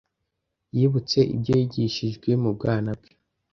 Yibutse ibyo yigishijwe mu bwana bwe